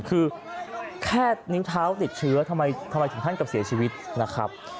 คือแค่นิ้วเท้าติดเชื้อทำไมถึงท่านกับเสียชีวิตนะครับ